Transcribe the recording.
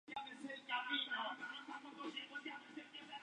Cada actividad tiene sus propias normas para la clasificación.